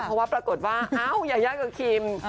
เพราะว่าปรากฏว่าอ้าวยายากับคิม